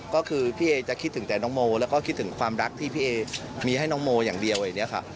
ก็คือพี่เอจะคิดถึงแต่น้องโมแล้วก็คิดถึงความรักที่พี่เอมีให้น้องโมอย่างเดียวอย่างนี้ค่ะ